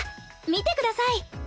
見てください。